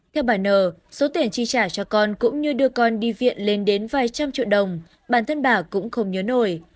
theo bà nờ số tiền chi trả cho con cũng như đưa con đi viện lên đến vài trăm triệu đồng bản thân bà cũng không nhớ nổi